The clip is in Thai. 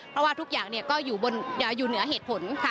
เพราะว่าทุกอย่างก็อยู่เหนือเหตุผลค่ะ